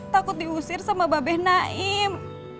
takut diusir sama babeh naim